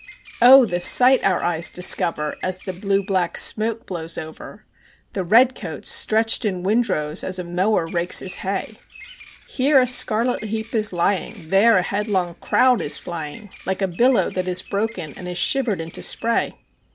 Oh the sight our eyes discover as the blue black smoke blows over! The red coats stretched in windrows as a mower rakes his hay; Here a scarlet heap is lying, there a headlong crowd is flying Like a billow that has broken and is shivered into spray.